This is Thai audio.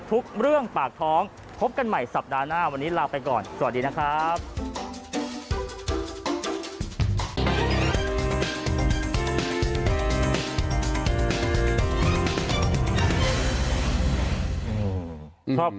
เพื่อหาวิธีให้ตัวเองอยู่ได้กัน